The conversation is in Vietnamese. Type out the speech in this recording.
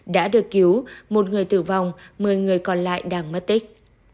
đã được cứu một người tử vong một mươi người còn lại đang mất tích